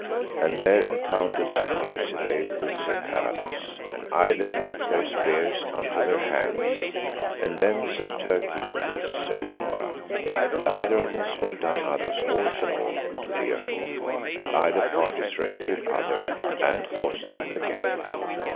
And there encountered Sir Percivale with Sir Carados, and either brake their spears unto their hands, and then Sir Turquine with Sir Lamorak, and either of them smote down other's horse and all to the earth, and either parties rescued other, and horsed them again.